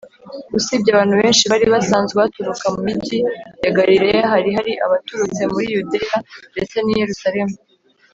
usibye abantu benshi bari basanzwe baturukaga mu migi ya galileya, hari hari abaturutse muri yudeya, ndetse n’i yerusalemu